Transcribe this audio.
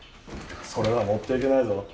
それは持っていけないぞ。